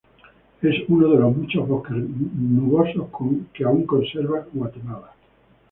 Es uno de los muchos bosques nubosos que aun conserva Guatemala.